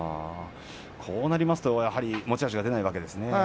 こうなりますと持ち味が出ないわけですね。